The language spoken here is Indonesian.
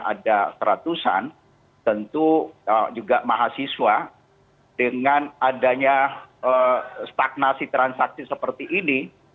ada seratusan tentu juga mahasiswa dengan adanya stagnasi transaksi seperti ini